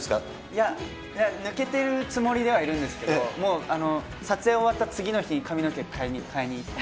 いや、抜けてるつもりではいるんですけれども、もう、撮影終わった次の日、髪の毛かえに行って。